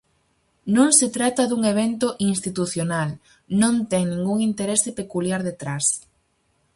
Non se trata dun evento institucional, non ten ningún interese peculiar detrás.